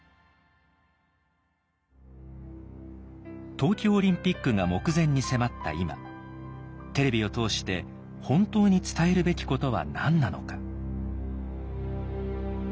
「東京オリンピックが目前に迫った今テレビを通して本当に伝えるべきことは何なのか」。